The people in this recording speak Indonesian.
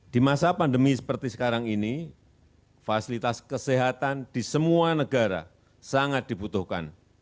di masa pandemi seperti sekarang ini fasilitas kesehatan di semua negara sangat dibutuhkan